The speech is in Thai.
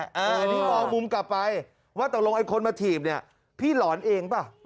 อันนี้มองมุมกลับไปว่าตกลงไอ้คนมาถีบเนี่ยพี่หลอนเองเปล่า